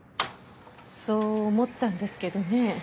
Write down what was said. そう思ったんですけどね。